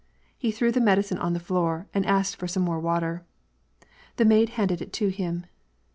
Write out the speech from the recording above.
He threw the medicine on the fioor and asked for some more water. The maid handed it to him.